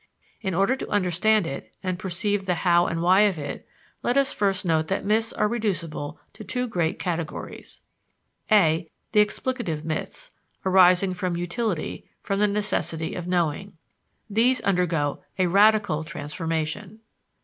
In order to understand it and perceive the how and why of it, let us first note that myths are reducible to two great categories: a. The explicative myths, arising from utility, from the necessity of knowing. _These undergo a radical transformation.